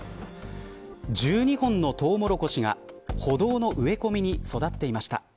１２本のトウモロコシが歩道の植え込みに育っていました。